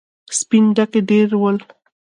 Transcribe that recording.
سپين ډکي ډېر ول.